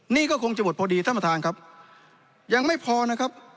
นี่ก็คงจะหมดพอดีท่านประธานครับยังไม่พอนะครับ